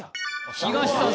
東さん